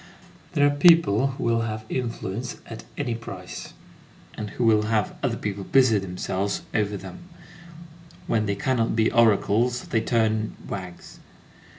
There are people who will have influence at any price, and who will have other people busy themselves over them; when they cannot be oracles, they turn wags.